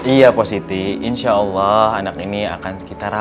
iya pak siti insyaallah anak ini akan ngerawat anak ini